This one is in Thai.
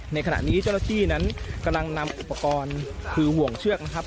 ในขณะนี้เจ้าหน้าที่นั้นกำลังนำอุปกรณ์คือห่วงเชือกนะครับ